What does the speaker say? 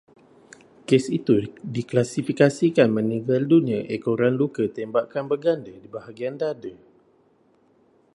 Kes itu diklasifikasikan meninggal dunia ekoran luka tembakan berganda di bahagian dada